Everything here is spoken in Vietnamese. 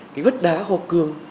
cái vết đá khô cương